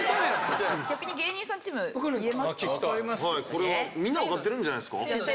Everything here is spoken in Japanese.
これはみんなわかってるんじゃないですか？